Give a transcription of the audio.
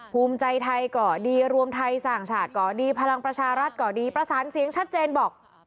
ภูมิใจไทยก่อดีรวมไทยสร้างชาติก่อดีพลังประชารัฐก็ดีประสานเสียงชัดเจนบอก